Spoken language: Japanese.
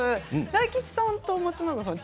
大吉さんと松永さん